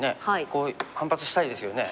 こう反発したいですよね。